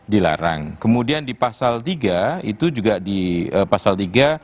dilarang kemudian di pasal tiga itu juga di pasal tiga